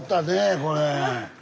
これ。